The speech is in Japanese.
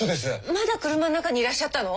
まだ車の中にいらっしゃったの！？